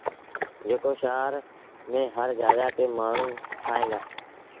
جيڪو شآهر ميݩ هر جآڳآ تي مآڻهوٚٚݩ ٺاهيݩ دآ۔